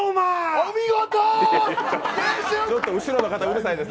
お見事！